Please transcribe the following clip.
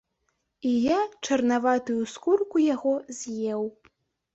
Я і чарнаватую скурку яго з'еў.